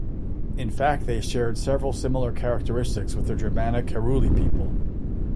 In fact they shared several similar characteristics with the Germanic Heruli people.